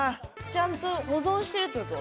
ちゃんと保存してるってこと？